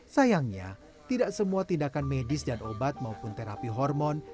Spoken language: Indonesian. sayangnya tidak semua tindakan medis dan obat maupun terapi hormon